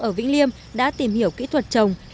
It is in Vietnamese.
ở vĩnh liêm đã tìm hiểu kỹ thuật trồng